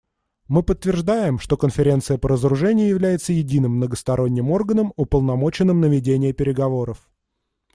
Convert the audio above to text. Мы подтверждаем, что Конференция по разоружению является единым многосторонним органом, уполномоченным на ведение переговоров.